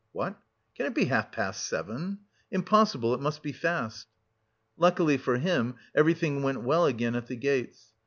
"What! can it be half past seven? Impossible, it must be fast!" Luckily for him, everything went well again at the gates.